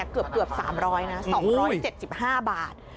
เกือบ๓๐๐นะ๒๗๕บาท